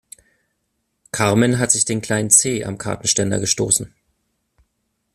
Carmen hat sich den kleinen Zeh am Kartenständer gestoßen.